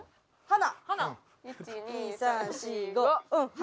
花？